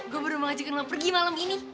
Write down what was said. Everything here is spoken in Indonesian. gue baru mau ngajakin lo pergi malam ini